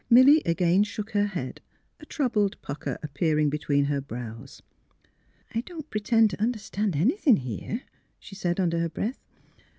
Milly again shook her head, a troubled pucker appearing between her brows. " I don't pretend to understand anything, here," she said, under her breath.